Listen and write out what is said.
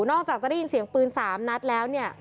อกจากจะได้ยินเสียงปืน๓นัดแล้วเนี่ย